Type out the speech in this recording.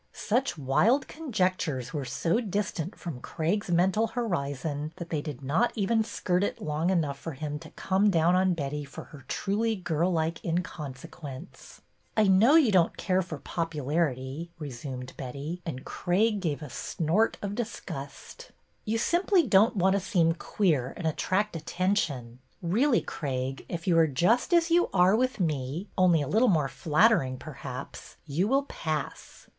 Such wild conjectures were so distant from Craig's mental horizon that they did not even skirt it long enough for him to come down " on Betty for her truly girl like inconsequence. " I know you don't care for popularity," re sumed Betty, and Craig gave a snort of disgust. BETTY AND CRAIG 105 You simply don't want to seem queer and at tract attention. Really, Craig, if you are just as you are with me — only a little more flatter ing, perhaps — you will pass."